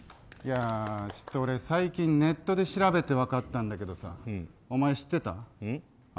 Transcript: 俺、最近ネットで調べて分かったんだけどさお前、知ってた？